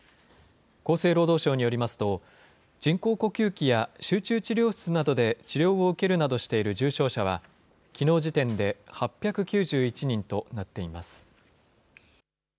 厚生労働省によりますと、人工呼吸器や集中治療室などで治療を受けるなどしている重症者は、きのう時点で８９１人となっています。